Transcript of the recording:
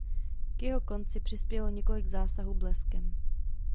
K jeho konci přispělo několik zásahů bleskem.